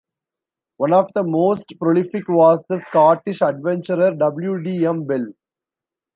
One of the most prolific was the Scottish adventurer W. D. M. Bell.